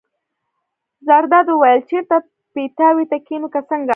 زرداد وویل: چېرته پیتاوي ته کېنو که څنګه.